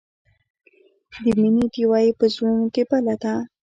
د مینې ډیوه یې په زړونو کې بله ده.